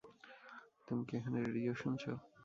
তুমি কি এখানে রেডিও শুনছো?